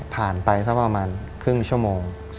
ไปสักประมาณครึ่งชั่วโมง